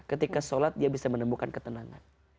ketika sholat dia bisa menemukan ketenangan